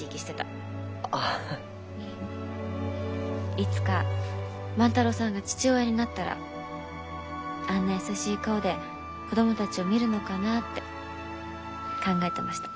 いつか万太郎さんが父親になったらあんな優しい顔で子供たちを見るのかなって考えてました。